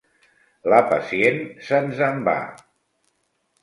La pacient se'ns en va.